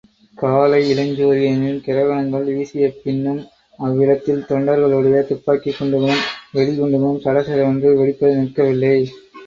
காலை இளஞ்சூரியனின் கிரணங்கள் வீசிய பின்னும் அவ்விடத்தில் தொண்டர்களுடைய துப்பாக்கிக் குண்டுகளும் வெடி குண்டுகளும் சடசடவென்று வெடிப்பது நிற்கவில்லை.